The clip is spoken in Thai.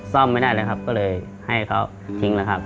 ซ่อมไม่ได้เลยครับก็เลยให้เขาทิ้งแล้วครับ